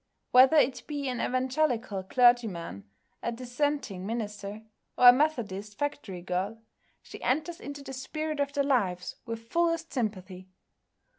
Whether it be an Evangelical clergyman, a Dissenting minister, or a Methodist factory girl, she enters into the spirit of their lives with fullest sympathy.